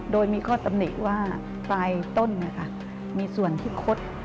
โดยมีข้อตำหนิว่าปลายต้นมีส่วนที่คด